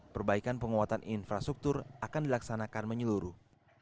perbaikan penguatan infrastruktur akan dilaksanakan menyeluruh